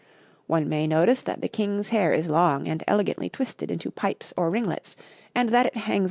One may notice that the King's hair is long and elegantly twisted into pipes or ringlets, and that it hangs over his shoulders.